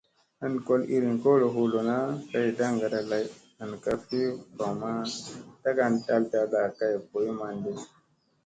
An gol iirin kolo hu lona, kay daŋgaada lay an ka fi vama tagan taltalla kay boy manɗi.